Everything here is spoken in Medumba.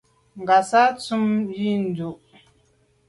Ngassam ntshob yi ndù.